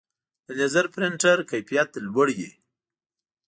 د لیزر پرنټر کیفیت لوړ وي.